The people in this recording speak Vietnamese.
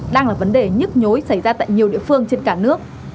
đang là vấn đề nhức nhối xảy ra tại nhiều địa phương trên cả nước